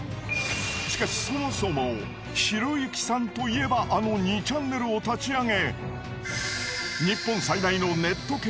しかしそもそもひろゆきさんといえばあの２ちゃんねるを立ち上げ。